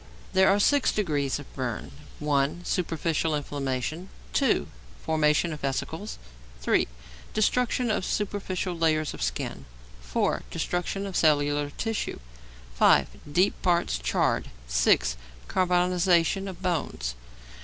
There are six degrees of burns: (1) Superficial inflammation; (2) formation of vesicles; (3) destruction of superficial layer of skin; (4) destruction of cellular tissue; (5) deep parts charred; (6) carbonization of bones.